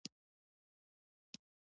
هغه سړی په بدو ردو لګیا شو.